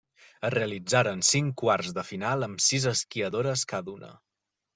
Es realitzaren cinc quarts de final amb sis esquiadores cada una.